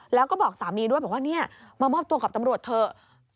แล้วก็บอกสามีด้วยบอกว่าเนี่ยมามอบตัวกับตำรวจเถอะ